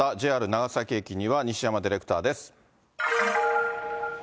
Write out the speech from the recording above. ＪＲ長崎駅には西山ディレクターです。